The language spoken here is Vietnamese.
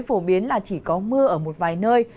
phổ biến là chỉ có mưa ở một vài nơi